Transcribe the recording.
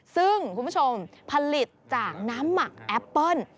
ซึ่งคุณผู้ชมผลิตจากน้ำหมักแอปเปิ้ล